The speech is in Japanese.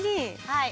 はい。